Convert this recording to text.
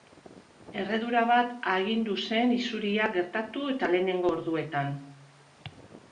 Erredura bat agindu zen isuria gertatu eta lehenengo orduetan.